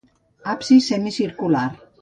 Absis semicircular.